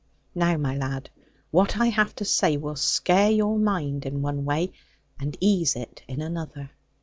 Now, my lad, what I have to say will scare your mind in one way, and ease it in another.